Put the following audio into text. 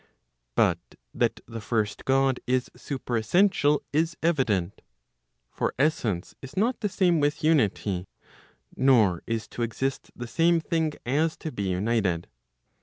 But that the first God is superessential,* is evident. For essence is not the same with unity, nor is to exist the same thing as to be united.